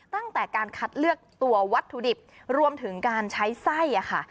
ตั้งแต่การคัดเลือกตัววัตถุดิบรวมถึงการใช้ไส้ค่ะ